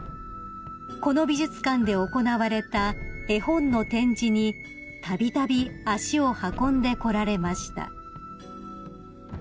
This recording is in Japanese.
この美術館で行われた絵本の展示にたびたび足を運んでこられました］